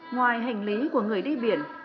ngoài hành lý của người đi biển